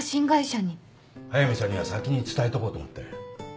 速見さんには先に伝えとこうと思って。